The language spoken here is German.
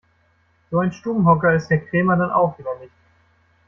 So ein Stubenhocker ist Herr Krämer dann auch wieder nicht.